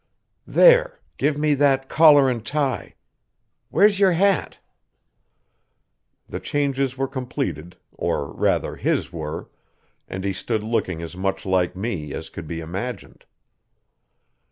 There give me that collar and tie. Where's your hat?" The changes were completed, or rather his were, and he stood looking as much like me as could be imagined.